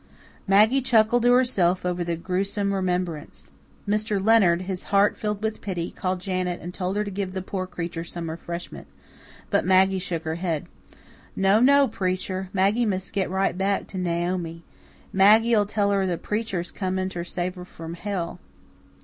Maggie chuckled to herself over the gruesome remembrance. Mr. Leonard, his heart filled with pity, called Janet and told her to give the poor creature some refreshment. But Maggie shook her head. "No, no, preacher, Maggie must get right back to Naomi. Maggie'll tell her the preacher's coming ter save her from hell."